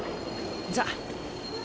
じゃあ。